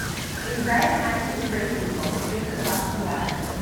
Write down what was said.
A red high speed racing boat skips across the water.